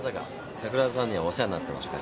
桜田さんにはお世話になってますから。